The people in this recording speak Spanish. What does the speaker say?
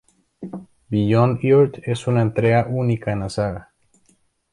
Beyond Earth es una entrega única en la saga.